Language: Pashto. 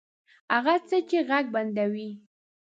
هغه څه چې ږغ بندوي